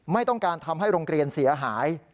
ไม่ต้องการทำให้โรงเรียนเสียหาย